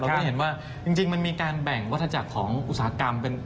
ก็จะเห็นว่าจริงมันมีการแบ่งวัฒนาจักรของอุตสาหกรรม